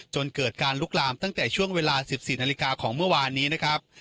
จนเกิดการลุกลามตั้งแต่ช่วงเวลา๑๔นาฬิกาของเมื่อวานนี้นะครับ